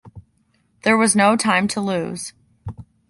There was no time to lose.